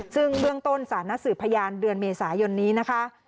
ซึ่งเบื้องต้นสารนัดสืบพยานเดือนเมษายนนี้นะคะ